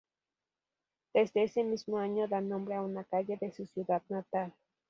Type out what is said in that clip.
Desde ese mismo año da nombre a una calle de su ciudad natal.